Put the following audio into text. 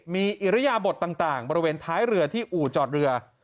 มีอิริยบทต่างบริเวณท้ายเรือที่อู่จอดเรือ